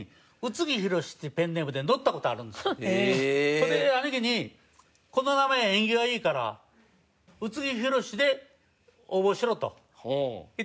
それで兄貴にこの名前縁起がいいから宇津木宏で応募しろと言って。